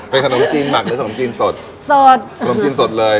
เป็นขนมจีนหมักหรือขนมจีนสดสดขนมจีนสดเลย